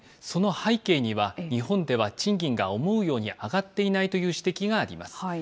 その背景には日本では賃金が思うように上がっていないという指摘があります。